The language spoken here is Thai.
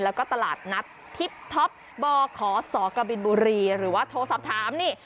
แล้วก็ตลาดนัดทิพท็อปบขศกบินบุรีหรือว่าโทรสอบถามนี่